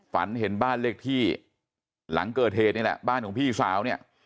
ฝันเห็นบ้านเลขที่หลังเกิดเหตุนี่แหละบ้านของพี่สาวเนี่ย